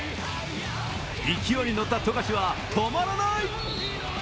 勢いに乗った富樫は止まらない。